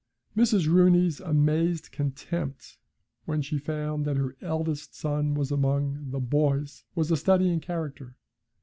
Mrs. Rooney's amazed contempt when she found that her eldest son was among 'the boys' was a study in character.